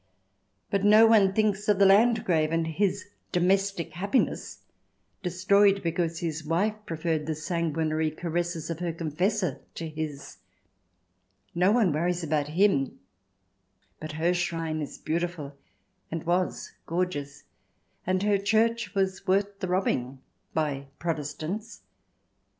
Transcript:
But no one thinks of the Landgrave and his domestic happiness, destroyed because his wife preferred the sanguinary caresses of her confessor to his 1 No one worries about him, but her shrine is beautiful and was gorgeous, and her church was worth the robbing — by Protestants.